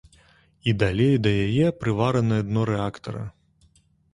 І далей да яе прываранае дно рэактара.